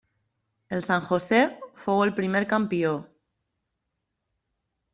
El San José fou el primer campió.